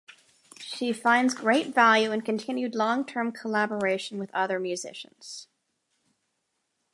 She finds great value in continued long-term collaboration with other musicians.